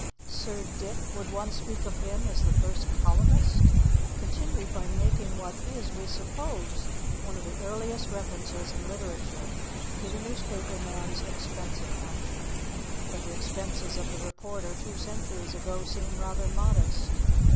Sir Dick would one speak of him as the first colyumist? continued by making what is, we suppose, one of the earliest references in literature to the newspaper man's "expense account." But the expenses of the reporter two centuries ago seem rather modest.